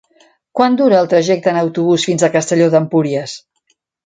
Quant dura el trajecte en autobús fins a Castelló d'Empúries?